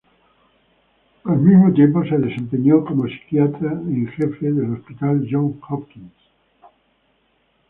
Al mismo tiempo, se desempeñó como psiquiatra en jefe del Hospital Johns Hopkins.